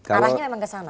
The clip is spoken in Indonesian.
arahnya memang kesana